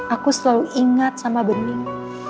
aku selalu ingat sama bening